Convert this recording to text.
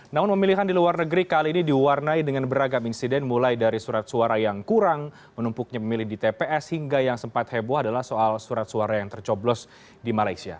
namun pemilihan di luar negeri kali ini diwarnai dengan beragam insiden mulai dari surat suara yang kurang menumpuknya pemilih di tps hingga yang sempat heboh adalah soal surat suara yang tercoblos di malaysia